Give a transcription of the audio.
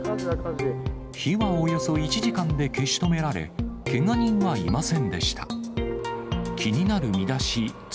火はおよそ１時間で消し止められ、けが人はいませんでした。